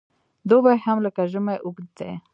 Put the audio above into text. دوبی هم لکه ژمی اوږد دی .